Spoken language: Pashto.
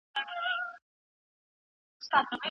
ته له چا به امن غواړې دا ته چاته په ژړا یې